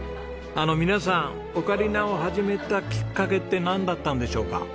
あの皆さんオカリナを始めたきっかけってなんだったんでしょうか？